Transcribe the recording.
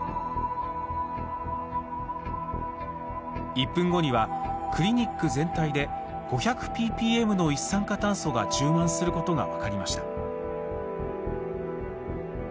１分後には、クリニック全体で５００ＰＰＭの一酸化炭素が充満することが分かりました。